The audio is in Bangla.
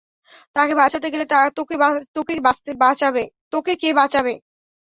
তাকে বাঁচাতে গেলে তোকে কে বাঁচাবে?